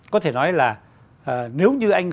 có thể nói là nếu như anh